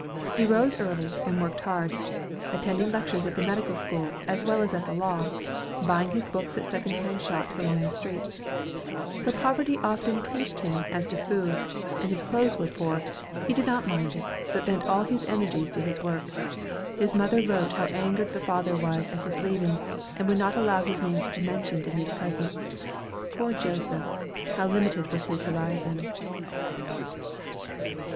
He rose early and worked hard, attending lectures at the medical school as well as at the law, buying his books at second hand shops along the streets. Though poverty often pinched him as to food, and his clothes were poor, he did not mind it, but bent all his energies to his work. His mother wrote how angered the father was at his leaving, and would not allow his name to be mentioned in his presence. Poor Joseph! how limited was his horizon.